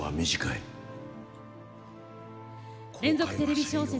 連続テレビ小説